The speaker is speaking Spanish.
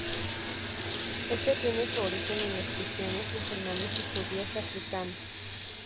Este tiene su origen en los cristianos, musulmanes y judíos africanos.